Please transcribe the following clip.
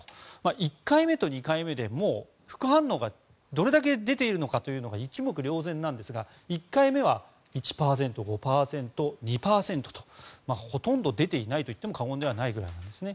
１回目と２回目で副反応がどれだけ出ているのかというのが一目瞭然なんですが１回目は１％、５％、２％とほとんど出ていないと言っても過言ではないぐらいですね。